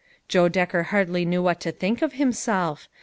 " Joe Decker hardly knew what to think of him self.